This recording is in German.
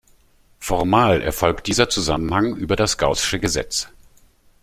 Formal erfolgt dieser Zusammenhang über das Gaußsche Gesetz.